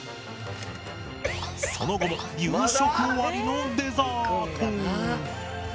その後も夕食終わりのデザート。